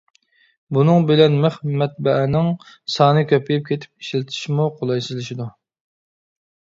بۇنىڭ بىلەن مىخ مەتبەئەنىڭ سانى كۆپىيىپ كېتىپ ئىشلىتىشمۇ قولايسىزلىشىدۇ.